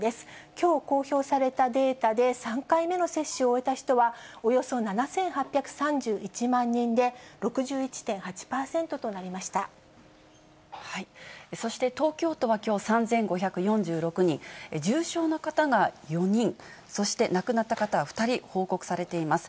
きょう、公表されたデータで３回目の接種を終えた人は、およそ７８３１万そして、東京都はきょう、３５４６人、重症の方が４人、そして亡くなった方は２人報告されています。